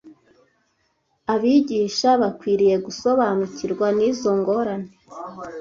Abigisha bakwiriye gusobanukirwa n’izo ngorane